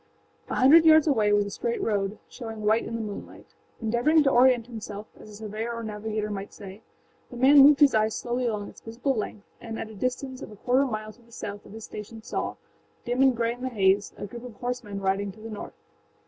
A hundred yards away was a straight road, showing white in the moonlight. Endeavoring to orient himself, as a surveyor or navigator might say, the man moved his eyes slowly along its visible length and at a distance of a quarter mile to the south of his station saw, dim and gray in the haze, a group of horsemen riding to the north.